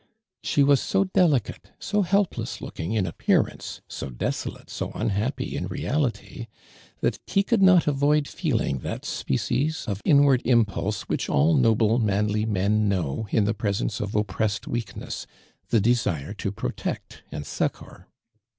ISiie was so delicate, so helpless looking in appearance, so deso late, so unhappy in reality, that he could not avoid feeling that species of inward impulse which all noble, manly men know in the presence of oppressed weakness, the desire to protect and succor.